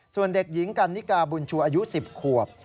ส่วนเด็กหญิงกันนิกาบุญชูอายุ๑๐ขวบ